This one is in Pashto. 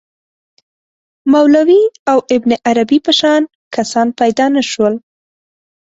مولوی او ابن عربي په شان کسان پیدا نه شول.